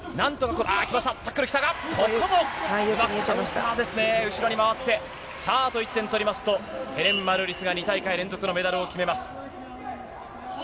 ここもうまく後ろに回って、さあ、あと１点取りますと、ヘレン・マルーリスが２大会連続のメダルを決めます。